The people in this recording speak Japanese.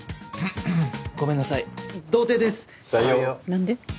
何で？